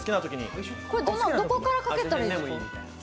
どこからかけたらいいですか？